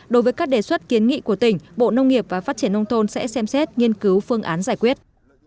đối với các đề xuất kiến nghị của tỉnh bộ nông nghiệp và phát triển nông thôn sẽ xem xét nghiên cứu phương án giải quyết